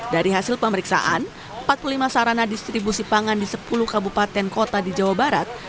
dari hasil pemeriksaan empat puluh lima sarana distribusi pangan di sepuluh kabupaten kota di jawa barat